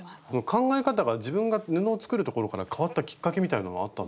考え方が自分が布を作るところから変わったきっかけみたいなのはあったんですか？